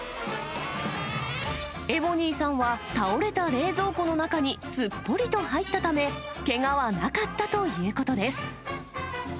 エボニーさんは倒れた冷蔵庫の中にすっぽりと入ったため、けがはなかったということです。